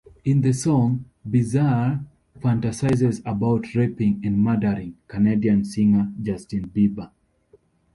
In the song, Bizarre fantasizes about raping and murdering Canadian singer Justin Bieber.